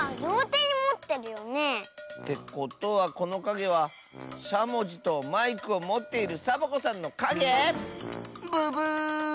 てことはこのかげはしゃもじとマイクをもっているサボ子さんのかげ⁉ブブー！